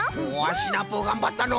シナプーがんばったのう！